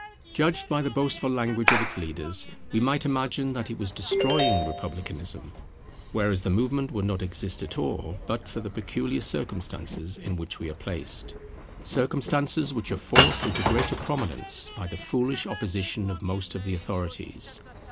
Judged by the boastful language of its leaders, we might imagine that it was destroying republicanism; whereas the movement would not exist at all, but for the peculiar circumstances in which we are placed; circumstances which are forced into greater prominence by the foolish opposition of most of the authorities.